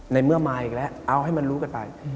ในเมื่อมาอีกแล้วเอาให้มันรู้กันไป